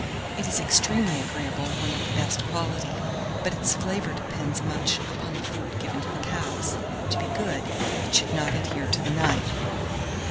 It is extremely agreeable when of the best quality; but its flavour depends much upon the food given to the cows: to be good, it should not adhere to the knife.